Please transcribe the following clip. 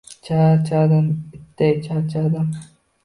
— Charchadim, itday charchadim.